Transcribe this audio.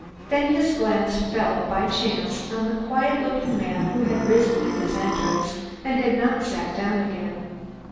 Then his glance fell by chance on the quiet looking man who had risen at his entrance and had not sat down again.